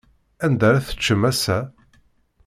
Anda ara teččem ass-a?